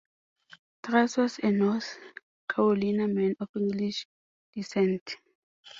Truss was a North Carolina man of English descent.